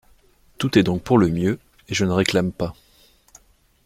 Tout est donc pour le mieux, et je ne réclame pas.